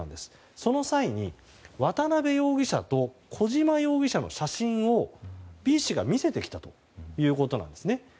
その際に渡邉容疑者と小島容疑者の写真をＢ氏が見せてきたということです。